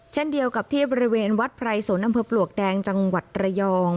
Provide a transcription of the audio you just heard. เช่นเดียวกับที่บริเวณวัดไพรสนอำเภอปลวกแดงจังหวัดระยอง